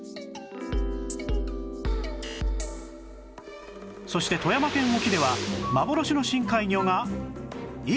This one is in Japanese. そして富山県沖では幻の深海魚が